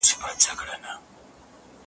زموږ له ډلي اولادونه ځي ورکیږي ,